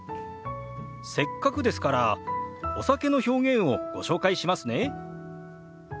せっかくですからお酒の表現をご紹介しますね。